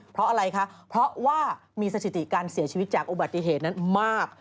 เพราะอะไรคะเพราะว่ามีสถิติการเสียชีวิตจากอุบัติเหตุนั้นมาก